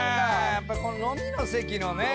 やっぱこの飲みの席のね。